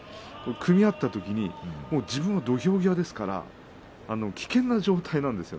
組み合ったときに自分は土俵際ですから危険な状態なんです。